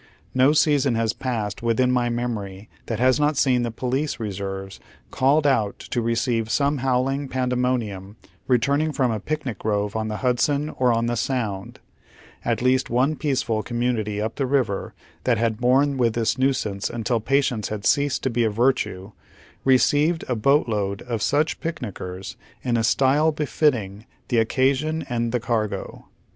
No season lias passed within my memory that has not seen the police reserves called out to receive some howling pandemonium returning from a pie nie grove on the Hudson or on the Sound; At least one peaceful community up the river, that had borne witli this nuisanee until patience had ceased to be a virtue, received a boat load of such pienickers in a style befitting the 'occa sion and the cargo.